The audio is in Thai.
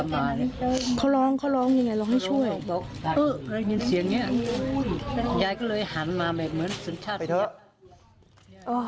ไปเถอะ